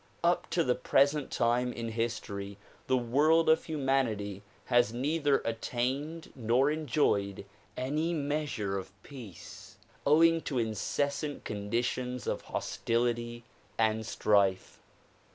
Up to the present time in history the world of humanity has neither attained nor enjoyed any measure of peace, owing to incessant conditions of hostility and strife.